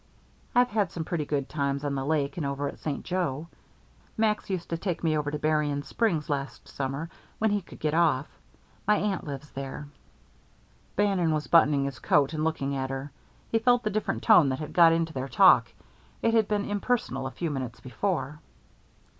I've had some pretty good times on the lake and over at St. Joe. Max used to take me over to Berrien Springs last summer, when he could get off. My aunt lives there." Bannon was buttoning his coat, and looking at her. He felt the different tone that had got into their talk. It had been impersonal a few minutes before.